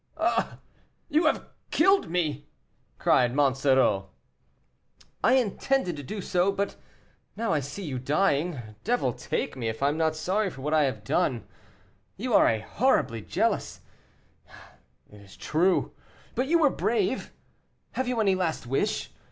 "Ah, you have killed me!" cried Monsoreau. "I intended to do so, but now I see you dying, devil take me if I am not sorry for what I have done. You are horribly jealous, it is true, but you were brave. Have you any last wish?